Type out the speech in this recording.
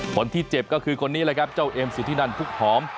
คนที่เจ็บก็คือคนนี้แหละครับเจ้าเอ็มสุธินันพุกหอม